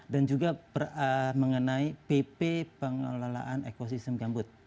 dan juga mengenai pp pengelolaan ekosistem gambut